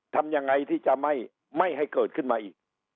ทำยังไงที่จะไม่ให้เกิดขึ้นมาอีก